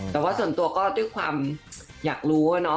แต่ว่าส่วนตัวก็ด้วยความอยากรู้ว่า